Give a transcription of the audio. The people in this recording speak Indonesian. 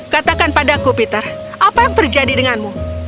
katakan padaku peter apa yang terjadi denganmu